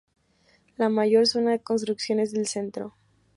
La mayor zona de construcción es el centro.